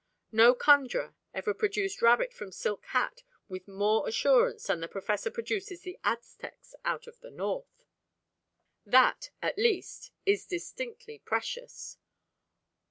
No conjurer ever produced rabbit from silk hat with more assurance than the professor produces the Aztecs "out of the north." That "at least" is distinctly precious.